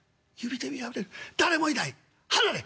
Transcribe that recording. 誰もいない離れ！